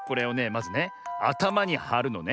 まずねあたまにはるのね。